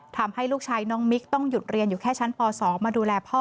ทำให้ลูกชายน้องมิ๊กต้องหยุดเรียนอยู่แค่ชั้นป๒มาดูแลพ่อ